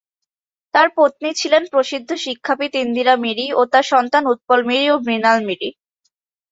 তার পত্নী ছিলেন প্রসিদ্ধ শিক্ষাবিদ ইন্দিরা মিরি ও তার সন্তান উৎপল মিরি ও মৃণাল মিরি।